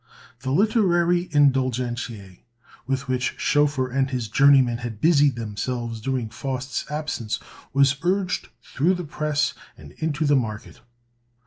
The "Litterariæ Indulgentiæ," with which Schoeffer and his journeymen had busied themselves during Faust's absence, was urged through the press and into the market.